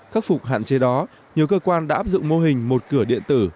khắc phục hạn chế đó nhiều cơ quan đã áp dụng mô hình một cửa điện tử